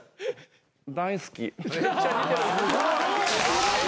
大好き。